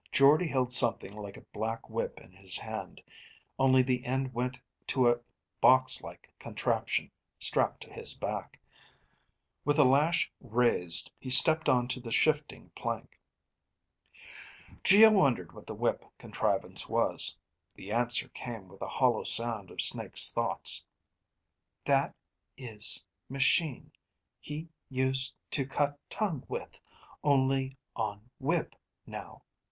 Jordde held something like a black whip in his hand, only the end went to a box like contraption strapped to his back. With the lash raised, he stepped onto the shifting plank. Geo wondered what the whip contrivance was. The answer came with the hollow sound of Snake's thoughts. _That ... is ... machine ... he ... use ... to ... cut ... tongue ... with ... only ... on ... whip ... now ...